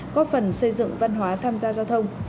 góp phần xây dựng văn hóa tham gia giao thông